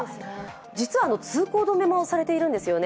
実は通行止めもされているんですよね。